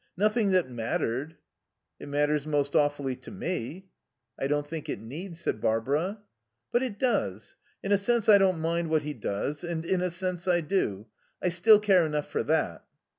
Nothing that mattered." "It matters most awfully to me." "I don't think it need," said Barbara. "But it does. In a sense I don't mind what he does, and in a sense I do. I still care enough for that."